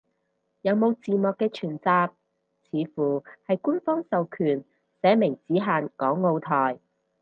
有冇字幕嘅全集，似乎係官方授權，寫明只限港澳台